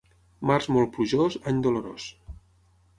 Març molt plujós, any dolorós.